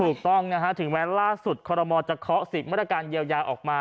ถูกต้องนะฮะถึงแม้ล่าสุดคอรมอลจะเคาะ๑๐มาตรการเยียวยาออกมา